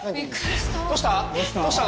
どうした？